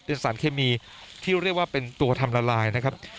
สารเคมีที่เรียกว่าเป็นตัวทำละลายนะครับ